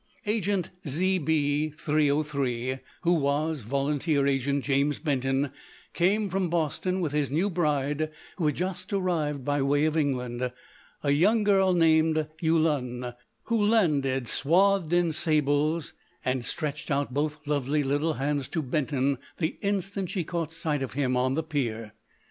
Agent ZB 303, who was volunteer agent James Benton, came from Boston with his new bride who had just arrived by way of England—a young girl named Yulun who landed swathed in sables, and stretched out both lovely little hands to Benton the instant she caught sight of him on the pier.